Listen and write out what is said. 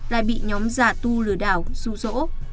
lại bị nhóm giả tu lửa đảo ru rỗ